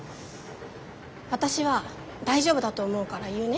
私は大丈夫だと思うから言うね。